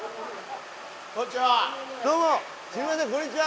どうもすいませんこんにちは。